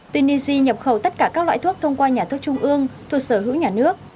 tunisia nhập khẩu tất cả các loại thuốc thông qua nhà thuốc trung ương thuộc sở hữu nhà nước